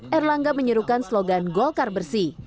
air langga menyerukan slogan golkar bersih